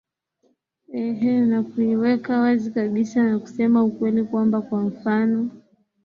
eeh na kuiweka wazi kabisa na kusema ukweli kwamba kwa mfano